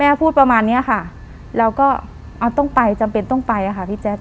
พูดประมาณเนี้ยค่ะแล้วก็เอาต้องไปจำเป็นต้องไปอะค่ะพี่แจ๊ค